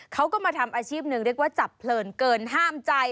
เขาก็มาทำอาชีพหนึ่งเรียกว่าจับเพลินเกินห้ามใจ